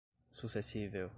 sucessível